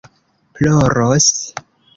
ploros